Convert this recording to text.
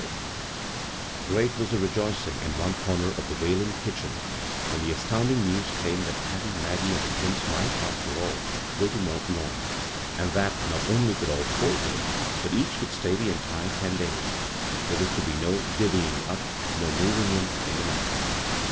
b, Google CHAPTER XV GREAT was the rejoicing ia one comer of the Whalen kitchen when the astounding news came that Patty, Maggie, and the twins might, after all, go to Mont Lawn ; and that, not only could all lour go, but each could stay the en tire ten days : there was to be no " divvying up," no " moving in, in the night."